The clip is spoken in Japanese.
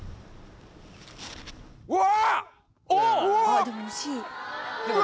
うわ！